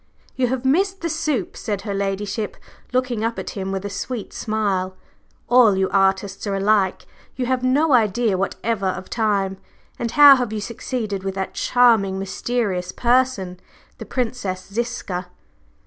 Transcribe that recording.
"You have missed the soup," said her ladyship, looking up at him with a sweet smile. "All you artists are alike, you have no idea whatever of time. And how have you succeeded with that charming mysterious person, the Princess Ziska?"